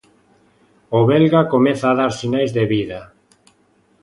O belga comeza a dar sinais de vida.